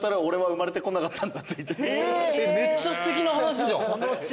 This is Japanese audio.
めっちゃすてきな話じゃん。